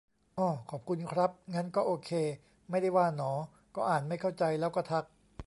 อ้อ ขอบคุณครับ งั้นก็โอเค ไม่ได้ว่าหนอ ก็อ่านไม่เข้าใจแล้วก็ทัก